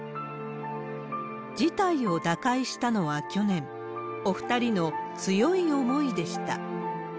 事態を打開したのは去年、お２人の強い思いでした。